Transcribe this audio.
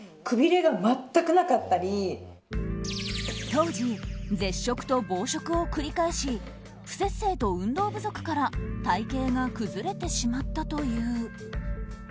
当時、絶食と暴食を繰り返し不摂生と運動不足から体形が崩れてしまったという。